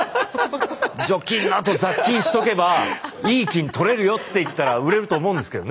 除菌のあと雑菌しとけばいい菌とれるよって言ったら売れると思うんですけどね。